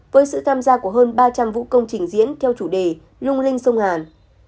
với sự tham gia của hơn ba trăm linh vũ công trình diễn theo chủ đề lung linh sông hàn